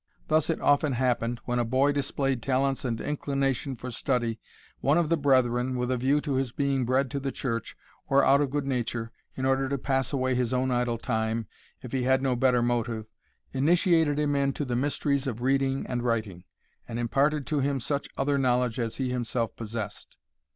Thus it often happened, when a boy displayed talents and inclination for study, one of the brethren, with a view to his being bred to the church, or out of good nature, in order to pass away his own idle time, if he had no better motive, initiated him into the mysteries of reading and writing, and imparted to him such other knowledge as he himself possessed.